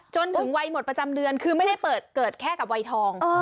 จนถึงวัยหมดประจำเดือนคือไม่ได้เปิดเกิดแค่กับวัยทอง